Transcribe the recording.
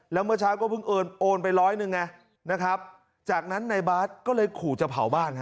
แล้วเมื่อเช้าก็เพิ่งโอนโอนไปร้อยหนึ่งไงนะครับจากนั้นในบาสก็เลยขู่จะเผาบ้านฮะ